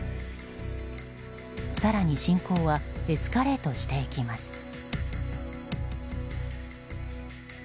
更に侵攻はエスカレートしていきます。